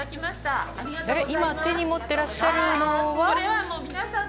今、手に持ってらっしゃるのは？